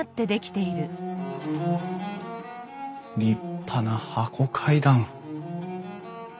立派な箱階段！